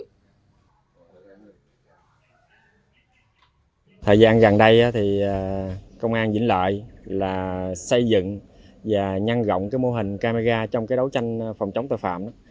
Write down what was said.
thời gian gần đây công an vĩnh lợi xây dựng và nhăn rộng mô hình camera trong đấu tranh phòng chống tội phạm